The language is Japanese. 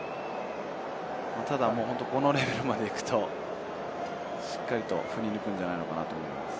ただ、このレベルまでいくと、しっかりと振り抜くんじゃないのかなと思います。